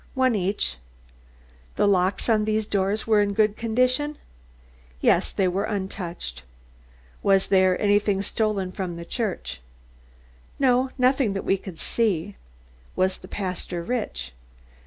"One each." "The locks on these doors were in good condition?" "Yes, they were untouched." "Was there anything stolen from the church?" "No, nothing that we could see." "Was the pastor rich?"